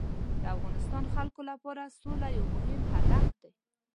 د افغانستان خلکو لپاره سوله یو مهم هدف دی.